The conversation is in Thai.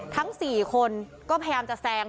ทั้ง๔คนก็พยายามจะแซง